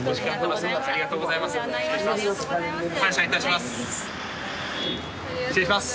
ありがとうございます。